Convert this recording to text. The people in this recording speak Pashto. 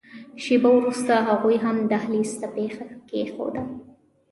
شېبه وروسته هغوی هم دهلېز ته پښه کېښوده.